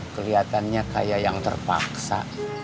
keliatannya kayak yang terpaksa